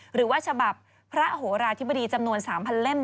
หรือว่าฉบับพระโหราธิบดีจำนวน๓๐๐เล่ม